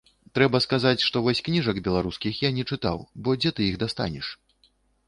Трэба сказаць, што вось кніжак беларускіх я не чытаў, бо дзе ты іх дастанеш?